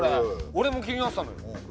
俺も気になってたのよ。